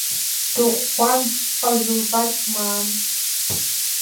Дыӷәӷәан Ҟазылбақь Маан.